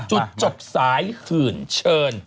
จุดจบสายถื่นเชิญ